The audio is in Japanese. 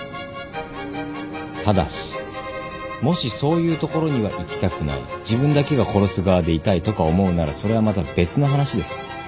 ただしもしそういう所には行きたくない自分だけが殺す側でいたいとか思うならそれはまた別の話です。